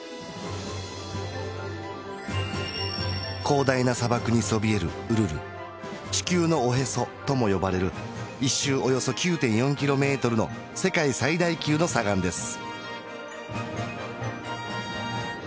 広大な砂漠にそびえるウルル地球のおへそとも呼ばれる１周およそ９．４ｋｍの世界最大級の砂岩です